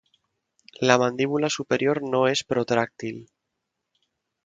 La mandíbula superior no es protráctil.